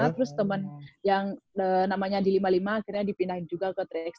terus teman yang namanya di lima puluh lima akhirnya dipindahin juga ke tiga x